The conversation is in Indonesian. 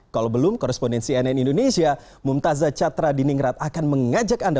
kalau belum korrespondensi nn indonesia mumtazah catra diningrat akan mengajak anda